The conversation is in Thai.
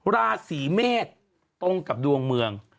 ราศีเมษตรงกับดวงเมือง